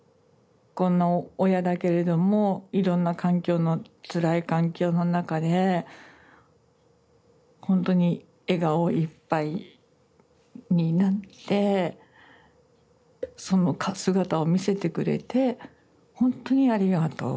こんな親だけれどもいろんな環境のつらい環境の中でほんとに笑顔いっぱいになってその姿を見せてくれてほんとにありがとう。